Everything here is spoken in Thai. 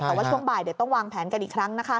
แต่ว่าช่วงบ่ายเดี๋ยวต้องวางแผนกันอีกครั้งนะคะ